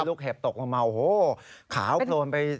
ลูกเห็บกำลังจะทุ่งมา